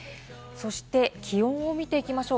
気温を見ていきましょう。